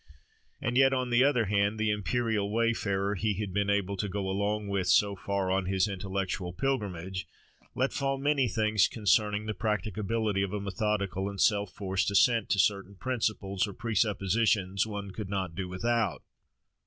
And yet, on the other hand, the imperial wayfarer, he had been able to go along with so far on his intellectual pilgrimage, let fall many things concerning the practicability of a methodical and self forced assent to certain principles or presuppositions "one could not do without."